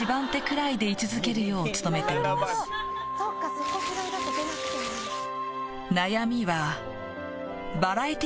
そこぐらいだと出なくてもいいのか。